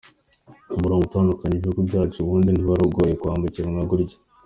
Umurongo utandukanya ibihugu byacu ubundi ntiwari ugoye kuwambukiranya gutya.